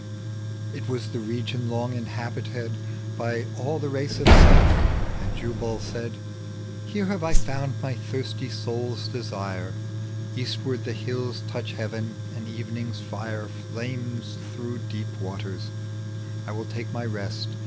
It was the region long inhabited By all the race of Seth ; and Jubal said, " Here have I found my thirsty soul's desire, Eastward the hiUs touch heaven, and evening's flre* Flames through deep waters ; I will talie my rest.